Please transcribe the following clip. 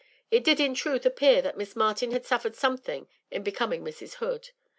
It did in truth appear that Miss Martin had suffered something in becoming Mrs. Hood.